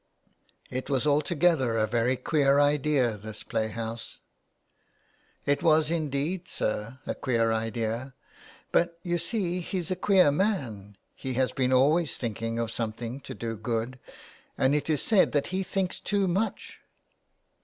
" It was altogether a very queer idea this play house." " It was indeed, sir, a queer idea, but you see he's a queer man. He has been always thinking of some thing to do good, and it is said that he thinks too much.